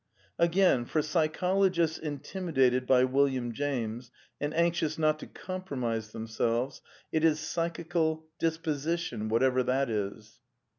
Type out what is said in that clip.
Again, for psychologists intimidated by William James, and anxious not to compromise themselves, it is " psychical disposition," whatever that is.